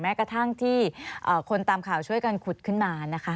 กระทั่งที่คนตามข่าวช่วยกันขุดขึ้นมานะคะ